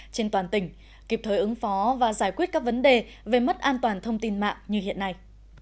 trên toàn tỉnh kịp thời ứng phó và giải quyết các vấn đề về mất an toàn thông tin mạng như hiện nay